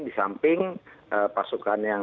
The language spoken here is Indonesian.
disamping pasukan yang